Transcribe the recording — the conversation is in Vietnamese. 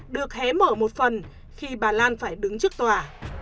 được hé mở một phần khi bà lan phải đứng trước tòa